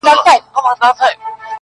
را لېږلي یاره دا خلګ خزان دي ,